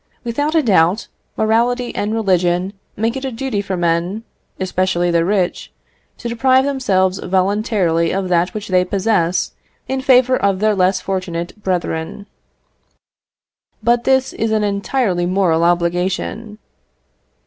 Without a doubt, morality and religion make it a duty for men, especially the rich, to deprive themselves voluntarily of that which they possess, in favour of their less fortunate brethren. But this is an entirely moral obligation.